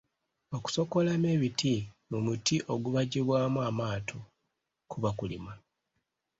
Okusokoolamu ebiti mu muti ogubajjibwamu amaato kuba kulima